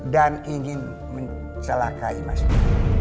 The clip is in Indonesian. dan ingin mencelakai mas danu